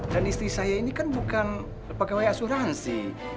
dan istri saya ini kan bukan pegawai asuransi